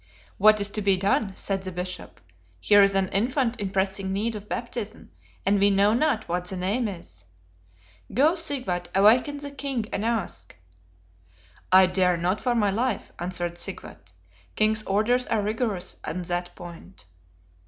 "What is to be done?" said the Bishop: "here is an infant in pressing need of baptism; and we know not what the name is: go, Sigvat, awaken the King, and ask." "I dare not for my life," answered Sigvat; "King's orders are rigorous on that point."